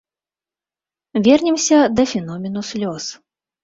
Вернемся да феномену слёз.